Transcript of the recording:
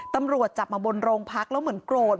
ตำรวจจับมาบนโรงพักแล้วเหมือนโกรธ